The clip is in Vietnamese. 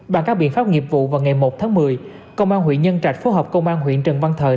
bằng các biện pháp nghiệp vụ vào ngày một tháng một mươi công an huyện nhân trạch phối hợp công an huyện trần văn thời